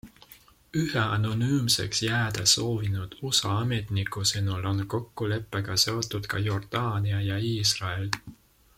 Ühe anonüümseks jääda soovinud USA ametniku sõnul on kokkuleppega seotud ka Jordaania ja Iisrael.